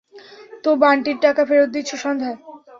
তো বান্টির টাকা ফেরত দিচ্ছ সন্ধ্যায়?